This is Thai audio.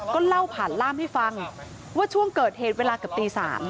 ก็เล่าผ่านล่ามให้ฟังว่าช่วงเกิดเหตุเวลาเกือบตี๓